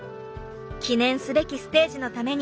記念すべきステージのためにひむ